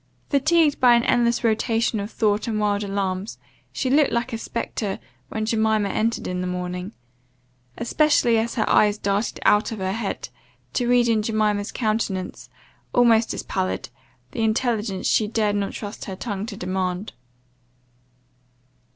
Fatigued by an endless rotation of thought and wild alarms, she looked like a spectre, when Jemima entered in the morning; especially as her eyes darted out of her head, to read in Jemima's countenance, almost as pallid, the intelligence she dared not trust her tongue to demand.